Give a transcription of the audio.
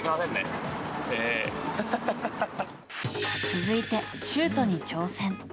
続いて、シュートに挑戦。